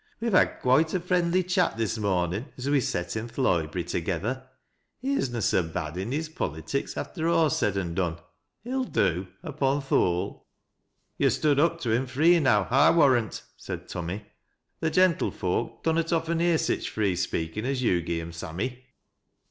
We've had quoite a friendly chat this mornin' as we set i' th' loibery together. He is na so bad i' his poUytics after aw's said an done. He'll do, upo' th' whole." " Yo' stood up to him free enow, I warrai.t," said Tummy. " Th' gentle folk dunnot often hear sich free fpeakin' as yo' gi' 'em, Sammy."